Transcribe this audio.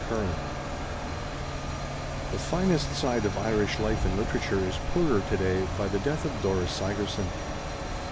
Cueean THE finest side of Irish life and literature is poorer to day by the death of Dora Sigerson.